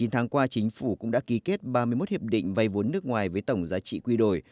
chín tháng qua chính phủ cũng đã ký kết ba mươi một hiệp định vay vốn nước ngoài với tổng giá trị quy đổi